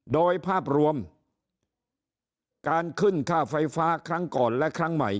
โดยภาพรวมการขึ้นค่าไฟฟ้าครั้งก่อนและครั้งใหม่